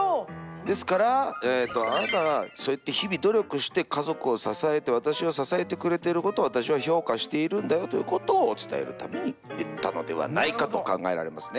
ですからあなたがそうやって日々努力して家族を支えて私を支えてくれてることを私は評価しているんだよということを伝えるために言ったのではないかと考えられますね。